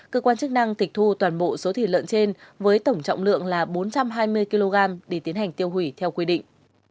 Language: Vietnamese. cơ quan chức năng tịch thu toàn bộ số thịt lợn trên với tổng trọng lượng là bốn trăm hai mươi kg để tiến hành tiêu hủy theo quy định